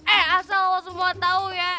eh asal lo semua tau ya